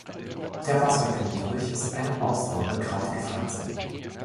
Der Wasser-Knöterich ist eine ausdauernde krautige Pflanze.